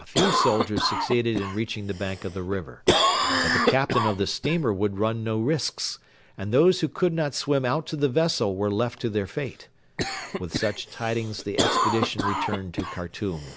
A few soldiers succeeded in reaching the bank of the river. But the captain of the steamer would run no risks, and those who could not swim out to the vessel were left to their fate. With such tidings the expedition returned to Khartoum.